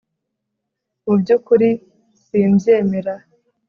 mu byukuri simbyemera